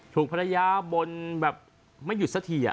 ถูกภรรยาบนแบบไม่หยุดสักที